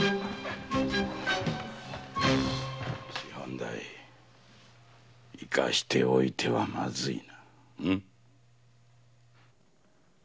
師範代生かしておいてはまずいな。